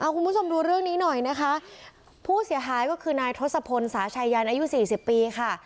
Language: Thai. คุณผู้ชมดูเรื่องนี้หน่อยนะคะผู้เสียหายก็คือนายทศพลสาชายันอายุสี่สิบปีค่ะ